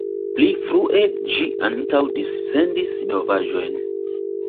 Pli frue ĝi ankaŭ dissendis novaĵojn.